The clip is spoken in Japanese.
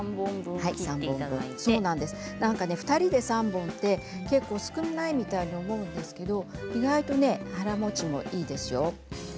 ２人で３本は少ないみたいに思うんですけれど意外と腹もちもいいでしょう。